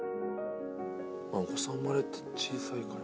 お子さん生まれて小さいから。